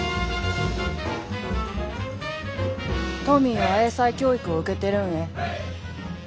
トミーは英才教育を受けてるんえ。